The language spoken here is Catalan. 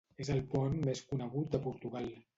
És el pont més conegut de Portugal.